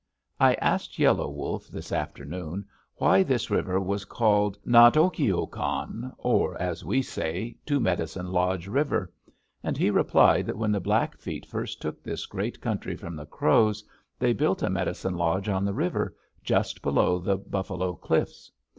I asked Yellow Wolf this afternoon why this river was named Nat´ ok i o kan, or, as we say, Two Medicine Lodge River, and he replied that when the Blackfeet first took this great country from the Crows, they built a medicine lodge on the river, just below the buffalo cliffs.